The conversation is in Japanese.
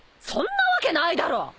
そんなわけないだろ！